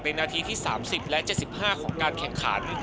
เป็นนาทีที่๓๐และ๗๕ของการแข่งขัน